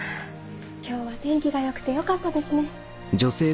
今日は天気が良くてよかったですね。